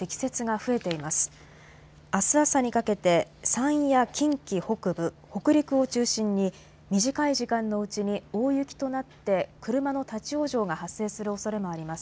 あす朝にかけて山陰や近畿北部北陸を中心に短い時間のうちに大雪となって車の立往生が発生するおそれもあります。